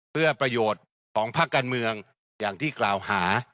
เพื่อประโยชน์ของภาคการเมืองอย่างที่กล่าวหา